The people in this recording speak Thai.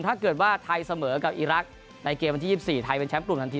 ถ้าเกิดว่าไทยเสมอกับอีรักษ์ในเกมวันที่๒๔ไทยเป็นแชมป์กลุ่มทันที